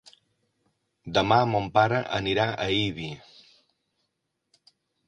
Demà mon pare anirà a Ibi.